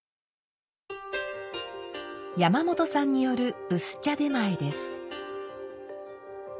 山本さんによる薄茶点前です。